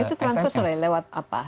itu transfer ya lewat apa